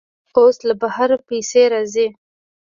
اوس له بهر پیسې راځي.